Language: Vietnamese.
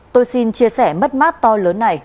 tôi xin chia sẻ mất mát to lớn này